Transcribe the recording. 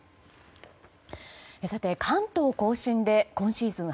関東・甲信で今シーズン